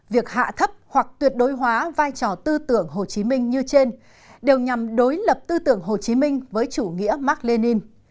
việc hạ thấp hoặc tuyệt đối hóa vai trò tư tưởng hồ chí minh như trên đều nhằm đối lập tư tưởng hồ chí minh với chủ nghĩa mark lenin